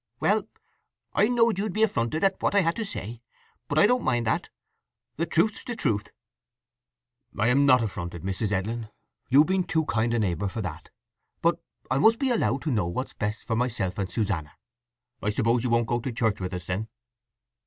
"Well, I knowed you'd be affronted at what I had to say; but I don't mind that. The truth's the truth." "I'm not affronted, Mrs. Edlin. You've been too kind a neighbour for that. But I must be allowed to know what's best for myself and Susanna. I suppose you won't go to church with us, then?"